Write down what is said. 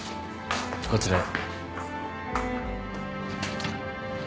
こちらへ。